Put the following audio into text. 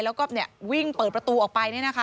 แล้วก็วิ่งเปิดประตูออกไป